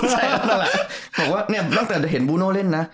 ใช่นั่นแหละบอกว่าเนี่ยตั้งแต่เห็นบูโน่เล่นนะ